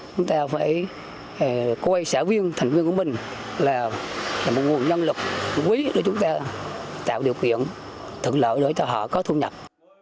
chúng ta phải coi xã viên thành viên của mình là một nguồn nhân lực quý để chúng ta tạo điều kiện thượng lợi đối với họ có thu nhập